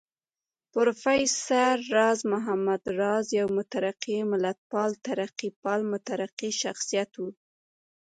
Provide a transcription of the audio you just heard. پروفېسر راز محمد راز يو مترقي ملتپال، ترقيپال مترقي شخصيت و